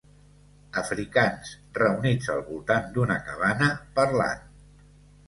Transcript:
Africans reunits al voltant d'una cabana parlant